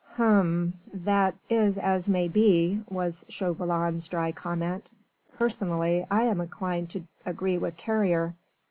"H'm! That is as may be," was Chauvelin's dry comment. "Personally I am inclined to agree with Carrier.